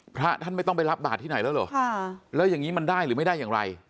พระท่านไม่ต้องไปรับบาทที่ไหนแล้วเหรอแล้วอย่างนี้มันได้หรือไม่ได้อย่างไร